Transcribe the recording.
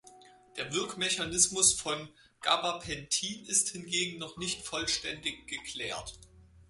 Der Wirkmechanismus von Gabapentin ist hingegen noch nicht vollständig geklärt.